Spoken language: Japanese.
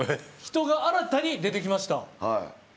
人が新たに出てきました。